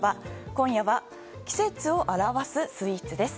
今夜は季節を表すスイーツです。